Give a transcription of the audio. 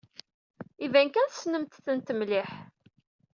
Iban kan tessnemt-tent mliḥ.